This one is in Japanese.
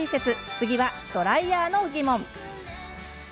次は、ドライヤーの疑問。